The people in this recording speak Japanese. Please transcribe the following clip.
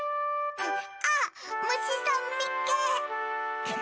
あっむしさんみっけ！